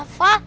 ini kita buit